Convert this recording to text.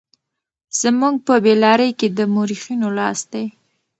زموږ په بې لارۍ کې د مورخينو لاس دی.